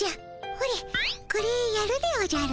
ほれこれやるでおじゃる。